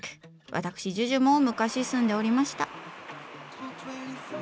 わたくしＪＵＪＵも昔住んでおりました。